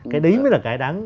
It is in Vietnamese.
cái đấy mới là cái đáng